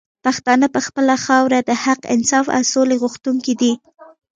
پښتانه پر خپله خاوره د حق، انصاف او سولي غوښتونکي دي